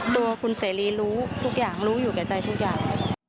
ตัวคุณเสรีรู้ทุกอย่างรู้อยู่แก่ใจทุกอย่าง